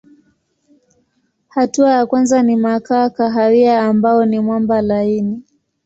Hatua ya kwanza ni makaa kahawia ambayo ni mwamba laini.